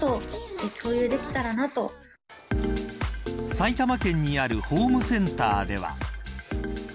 埼玉県にあるホームセンターでは。